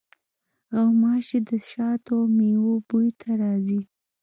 غوماشې د شاتو او میوو بوی ته راځي.